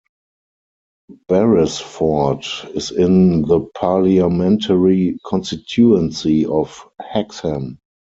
Barrasford is in the parliamentary constituency of Hexham.